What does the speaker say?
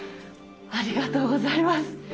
ありがとうございます。